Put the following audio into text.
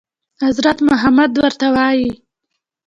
حضرت محمد ورته وايي.